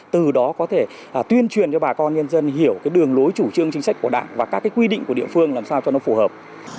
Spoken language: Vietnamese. từ đó có thể tuyên truyền cho bà con nhân dân hiểu cái đường lối chủ trương chính sách của đảng và các cái quy định của địa phương làm sao cho nó phù hợp